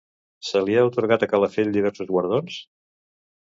Se li ha atorgat a Calafell diversos guardons?